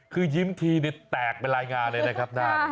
คือยิ้มทีแตกเป็นรายงานเลยนะครับหน้า